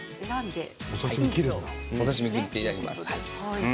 お刺身を切っていただきます。